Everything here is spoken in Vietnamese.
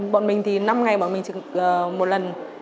bọn mình thì năm ngày bọn mình trực một lần